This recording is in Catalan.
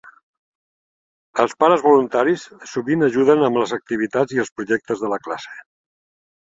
Els pares voluntaris sovint ajuden amb les activitats i els projectes de la classe.